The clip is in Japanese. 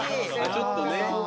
ちょっとね。